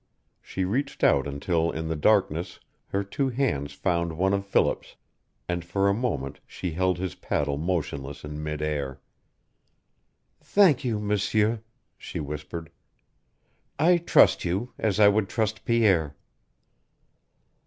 She reached out until in the darkness her two hands found one of Philip's, and for a moment she held his paddle motionless in midair. "Thank you, M'sieur," she whispered. "I trust you, as I would trust Pierre."